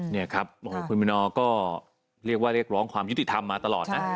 นี่ครับโอ้โหคุณมินอร์ก็เรียกว่าเรียกร้องความยุติธรรมมาตลอดนะ